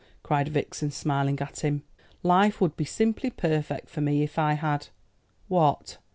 cried Vixen, smiling at him. "Life would be simply perfect for me if I had " "What?"